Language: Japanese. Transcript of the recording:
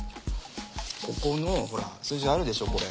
ここのほら数字あるでしょうこれ。